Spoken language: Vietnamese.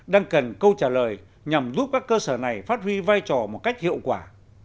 đang cần câu trả lời nhằm giúp các cơ sở này phát huy vai trò một cách hiệu quả